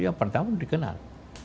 ya pertama dikenal